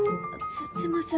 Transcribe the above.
すすいません。